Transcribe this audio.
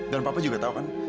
dan papa juga tahu kan